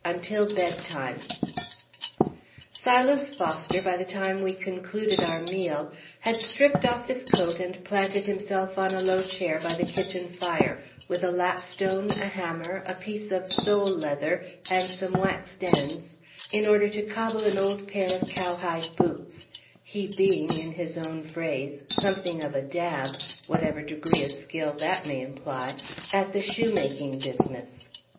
UNTIL BEDTIME Silas Foster, by the time we concluded our meal, had stript off his coat, and planted himself on a low chair by the kitchen fire, with a lapstone, a hammer, a piece of sole leather, and some waxed ends, in order to cobble an old pair of cowhide boots; he being, in his own phrase, "something of a dab" (whatever degree of skill that may imply) at the shoemaking business.